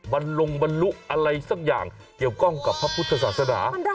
ลงบรรลุอะไรสักอย่างเกี่ยวข้องกับพระพุทธศาสนา